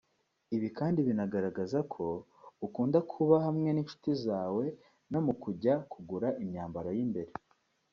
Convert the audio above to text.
Ibi kandi binagaragaza ko ukunda kuba hamwe n’inshuti zawe no mu kujya kugura imyambaro y’imbere